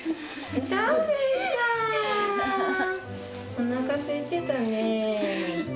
おなかすいてたね。